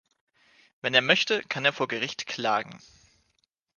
Wenn er möchte, kann er vor Gericht klagen.